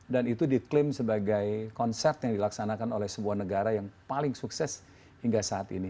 dan itu diklaim sebagai konser yang dilaksanakan oleh sebuah negara yang paling sukses hingga saat ini